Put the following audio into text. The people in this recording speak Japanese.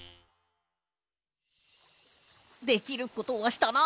できることはしたな。